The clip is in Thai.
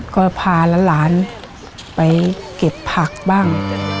ก็พาหลานไปเก็บผักบ้าง